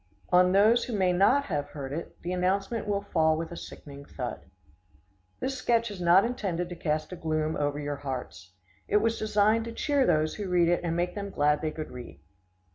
On those who may not have heard it, the announcement will fall with a sickening thud. This sketch is not intended to cast a gloom over your hearts. It was designed to cheer those who read it and make them glad they could read.